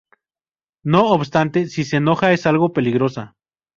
No obstante, si se enoja es algo peligrosa.